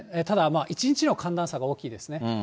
ただ一日の寒暖差が大きいですね。